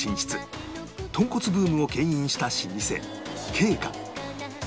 豚骨ブームを牽引した老舗桂花